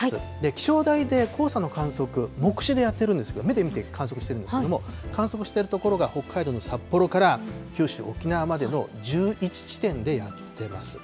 気象台で黄砂の観測、目視でやってるんですけど、目で見て観測してるんですけれども、観測している所が北海道の札幌から九州、沖縄までの１１地点でやってます。